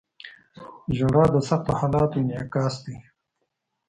• ژړا د سختو حالاتو انعکاس دی.